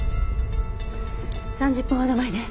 ３０分ほど前ね。